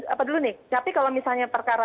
apa dulu nih tapi kalau misalnya perkara